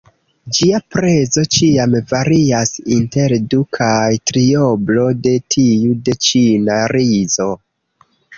Ĝia prezo ĉiam varias inter du- kaj trioblo de tiu de ĉina rizo.